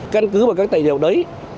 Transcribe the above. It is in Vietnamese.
căn cứ và các tài liệu đấy